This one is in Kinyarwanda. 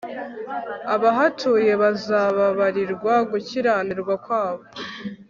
abahatuye bazababarirwa gukiranirwa kwabo